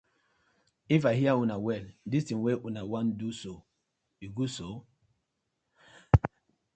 If I hear una well, dis ting wey una wan do so e good so.